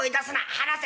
離せ！」。